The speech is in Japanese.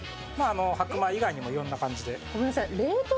白米以外にもいろんな感じで。